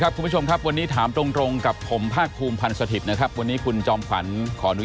ยาท่าน้ำขาวไทยนครเพราะทุกการเดินทางของคุณจะมีแต่รอยยิ้ม